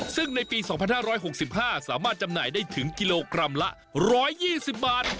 ซึ่งในปี๒๕๖๕สามารถจำหน่ายได้ถึงกิโลกรัมละ๑๒๐บาท